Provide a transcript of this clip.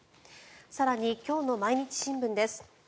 更に、今日の毎日新聞です。